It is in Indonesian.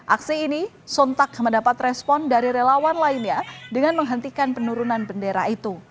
aksi ini sontak mendapat respon dari relawan lainnya dengan menghentikan penurunan bendera itu